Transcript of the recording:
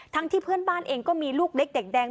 ที่เพื่อนบ้านเองก็มีลูกเล็กเด็กแดง